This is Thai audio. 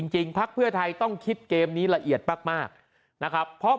พักเพื่อไทยต้องคิดเกมนี้ละเอียดมากนะครับเพราะ